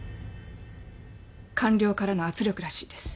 官僚からの圧力らしいです。